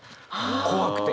怖くて。